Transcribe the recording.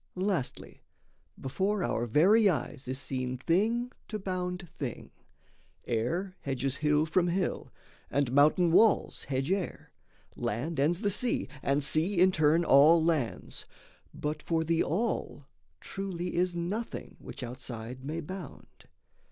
Lastly, before our very eyes is seen Thing to bound thing: air hedges hill from hill, And mountain walls hedge air; land ends the sea, And sea in turn all lands; but for the All Truly is nothing which outside may bound.